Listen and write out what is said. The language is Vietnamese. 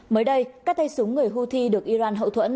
mới đây các tay súng người houthi được iran hậu thuẫn